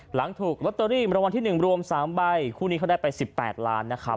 หลังถูกล็อตเตอรี่ราวันที่หนึ่งรวมสามใบคู่นี้เขาได้ไปสิบแปดล้านนะครับ